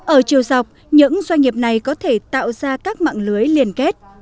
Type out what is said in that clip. ở chiều dọc những doanh nghiệp này có thể tạo ra các mạng lưới liên kết